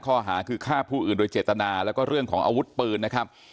ข้อหาคือฆ่าผู้อื่นโดยเจตนาแล้วก็เรื่องของอาวุธปืนนะครับ